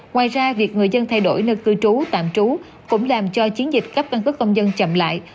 ngoài ra việc người dân thay đổi nơi cư trú tạm trú cũng làm cho chiến dịch cấp căn cước công dân chậm lại